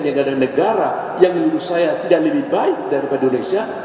negara negara yang menurut saya tidak lebih baik daripada indonesia